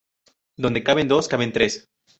Donde caben dos, caben tres